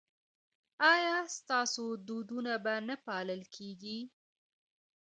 ایا ستاسو دودونه به نه پالل کیږي؟